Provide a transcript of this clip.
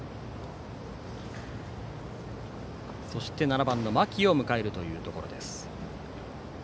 そして７番、牧を迎えるというところです。